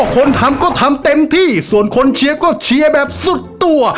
คนทำก็ทำเต็มที่ส่วนคนเชียร์ก็เชียร์แบบสุดตัว